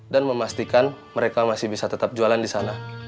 dan memastikan mereka masih bisa tetap jualan di sana